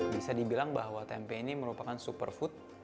bisa dibilang bahwa tempe ini merupakan superfood